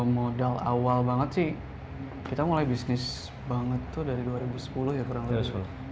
modal awal banget sih kita mulai bisnis banget tuh dari dua ribu sepuluh ya kurang lebih